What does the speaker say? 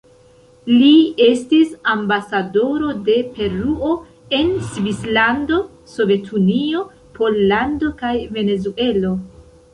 Li estis ambasadoro de Peruo en Svislando, Sovetunio, Pollando kaj Venezuelo.